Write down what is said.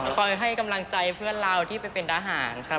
ให้กำลังใจเพื่อนเราที่ไปเป็นทหารค่ะ